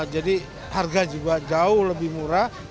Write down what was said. jadi harga juga jauh lebih murah